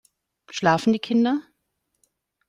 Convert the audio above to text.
Schlafen die Kinder?